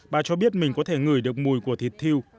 bà cho biết mình có thể ngửi được mùi của thịt thiêu